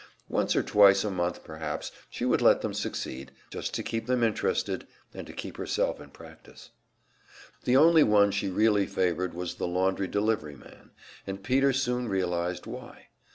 Once or twice a month perhaps she would let them succeed, just to keep them interested, and to keep herself in practice. The only one she really favored was the laundry deliveryman, and Peter soon realized why.